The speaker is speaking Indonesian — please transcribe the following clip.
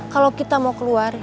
kalau kita mau keluar